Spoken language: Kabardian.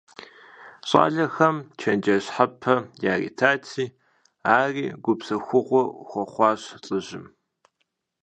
ЩӀалэхэм чэнджэщ щхьэпэ яритати, ари гупсэхугъуэ хуэхъуащ лӀыжьым.